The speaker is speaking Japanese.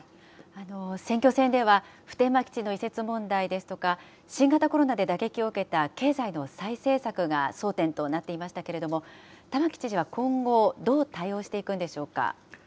選挙戦では普天間基地の移設問題ですとか、新型コロナで打撃を受けた経済の再生策が争点となっていましたけれども、玉城知事は今後、どう対応していくんでしょうか。